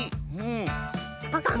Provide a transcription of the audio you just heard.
パカン！